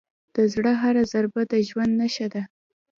د زړه هره ضربه د ژوند نښه ده.